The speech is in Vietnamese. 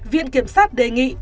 viện kiểm soát đề nghị